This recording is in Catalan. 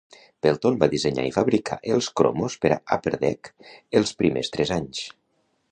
Pelton va dissenyar i fabricar els cromos per a Upper Deck els primers tres anys.